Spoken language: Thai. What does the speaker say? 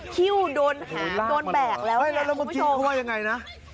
คิ้วโดนแบกแล้วเนี่ยคุณผู้ชมแล้วเมื่อกี้เขาว่ายังไงนะ